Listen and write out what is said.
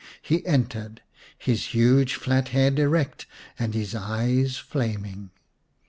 He entered, his huge flat head erect and his eyes flaming.